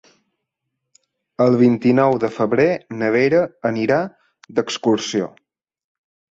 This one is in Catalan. El vint-i-nou de febrer na Vera anirà d'excursió.